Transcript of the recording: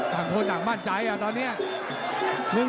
จังโทษจังมั่นใจอ่ะตอนเนี้ย